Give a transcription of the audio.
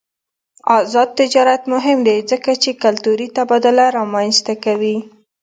آزاد تجارت مهم دی ځکه چې کلتوري تبادله رامنځته کوي.